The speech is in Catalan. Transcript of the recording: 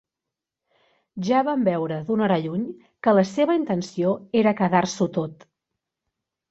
Ja vam veure d'una hora lluny que la seva intenció era quedar-s'ho tot.